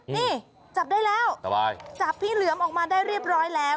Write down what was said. นี่จับได้แล้วจับพี่เหลือมออกมาได้เรียบร้อยแล้ว